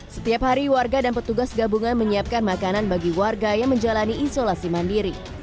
setiap hari warga dan petugas gabungan menyiapkan makanan bagi warga yang menjalani isolasi mandiri